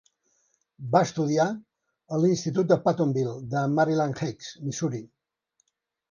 Va estudiar a l'Institut de Pattonville de Maryland Heights, Missouri.